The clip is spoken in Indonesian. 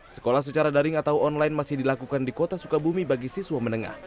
sekolah secara daring atau online masih dilakukan di kota sukabumi bagi siswa menengah